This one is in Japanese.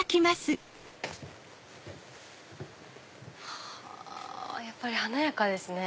はぁやっぱり華やかですね。